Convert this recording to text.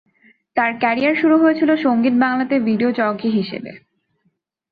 তার কেরিয়ার শুরু হয়েছিল সঙ্গীত বাংলা তে ভিডিও জকি হিসেবে।